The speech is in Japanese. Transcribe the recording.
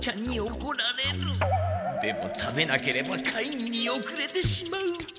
でも食べなければ会議におくれてしまう。